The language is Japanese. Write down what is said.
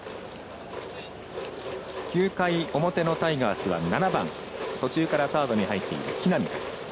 ９回表のタイガースは７番途中からサードに入っている木浪から。